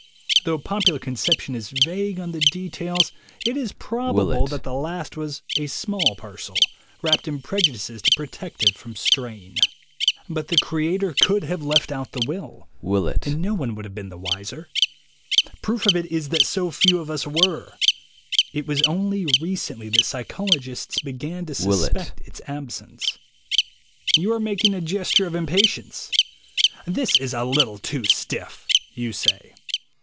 Though popular conception is vague on the details, it is probable that the last was a small parcel, wrapped in prejudices to protect it from strain. But the Creator could have left out the will, and no one would have been the wiser. Proof of it is that so few of us were. It was only recently that psychologists began to suspect its absence. You are making a gesture of impatience. "This is a little too stiff," you say.